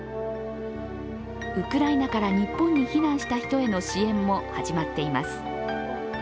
ウクライナから日本に避難した人への支援も始まっています。